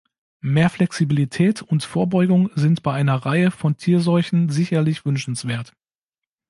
Mehr Flexibilität und Vorbeugung sind bei einer Reihe von Tierseuchen sicherlich wünschenswert.